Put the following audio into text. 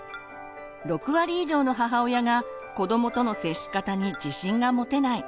６割以上の母親が子どもとの接し方に自信が持てない。